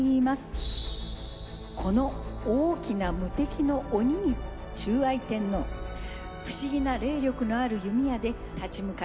この大きな無敵の鬼に仲哀天皇不思議な霊力のある弓矢で立ち向かいます。